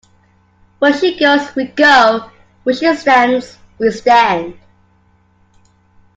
Where she goes, we go; where she stands, we stand.